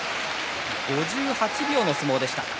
５８秒の相撲でした。